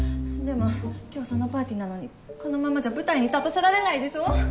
でも今日そのパーティーなのにこのままじゃ舞台に立たせられないでしょう！？